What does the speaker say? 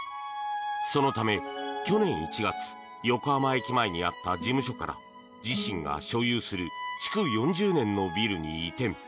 そのため、去年１月横浜駅前にあった事務所から自身が所有する築４０年のビルに移転。